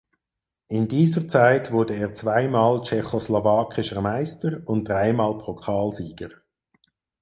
In dieser Zeit wurde er zweimal tschechoslowakischer Meister und dreimal Pokalsieger.